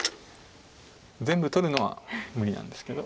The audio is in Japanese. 全部取るのは無理なんですけど。